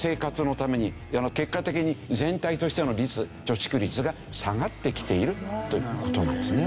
結果的に全体としての率貯蓄率が下がってきているという事なんですね。